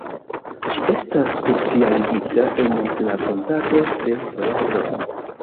Ŝi estas specialigita en rakontado de vojaĝoj.